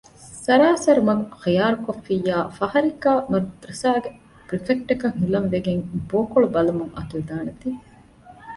ސަރާސަރު މަގު ޚިޔާރުކޮށްފިއްޔާ ފަހަރެއްގައި މަދުރަސާގެ ޕުރިފެކްޓަކަށް ހިލަން ވެގެން ބޯކޮޅު ބަލަމުން އަތުވެދާނެ ތީ